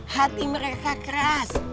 hati mereka keras